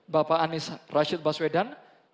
bapak anies rashid baswedan